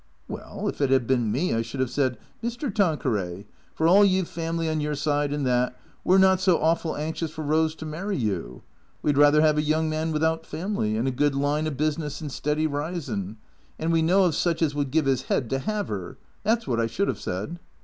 " Well, if it 'ad bin me I should have said, ' Mr. Tanqueray, for all you 've fam'ly on your side and that, we 're not so awful anxious for Eose to marry you. We 'd rather 'ave a young man without fam'ly, in a good line o' business and steady risin'. And we know of such as would give 'is 'ead to 'ave 'er.' That 's wot I should 'ave said."